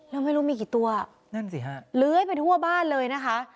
แล้วไม่รู้มีกี่ตัวนั่นสิฮะเลื้อยไปทั่วบ้านเลยนะคะ